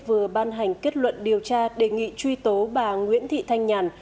vừa ban hành kết luận điều tra đề nghị truy tố bà nguyễn thị thanh nhàn